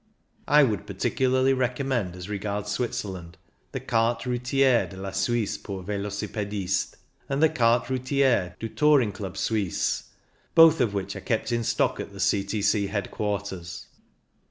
I would particularly recommend, as re gards Switzerland; the "Carte Routiere de CONCLUSION 247 la Suisse pour VelocipMistes " and the " Carte Routiere du Touring Club Suisse/' both of which are kept in stock at the C.T.C. headquarters.